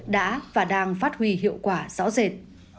đã và đang phát huy hiệu quả rõ rệt